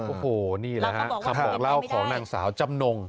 โอ้โหนี่แหละฮะคำบอกเล่าของนางสาวจำนง